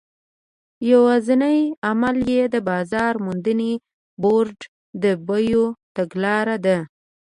یوازینی عامل یې د بازار موندنې بورډ د بیو تګلاره ده.